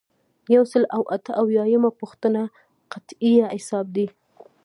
یو سل او اته اویایمه پوښتنه قطعیه حساب دی.